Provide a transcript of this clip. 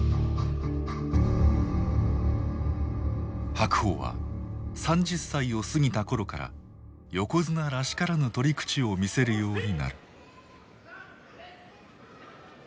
白鵬は３０歳を過ぎた頃から横綱らしからぬ取り口を見せるようになる。